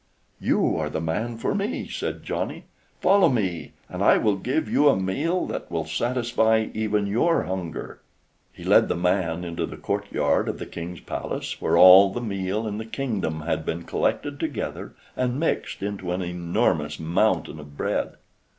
"You are the man for me!" said Johnny. "Follow me, and I will give you a meal that will satisfy even your hunger." He led the man into the courtyard of the King's palace, where all the meal in the kingdom had been collected together and mixed into an enormous mountain of bread.